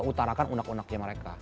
utarakan anak anaknya mereka